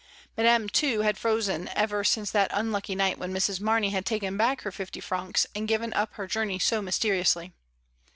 Madame, too, had frozen ever since that unlucky night when Mrs. Mamey had taken back her fifty francs and given up her journey so mysteriously.